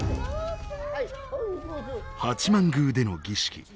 八幡宮での儀式。